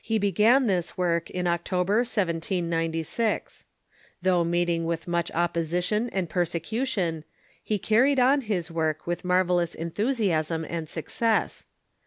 He began this work in October, 1796. Though meeting with much opposition and persecution, he car ried on his work witli marvellous enthusiasm and success.